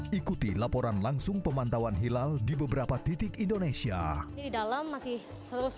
ikuti laporan langsung pemantauan hilal di beberapa titik indonesia di dalam masih terus